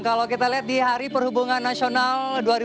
kalau kita lihat di hari perhubungan nasional dua ribu dua puluh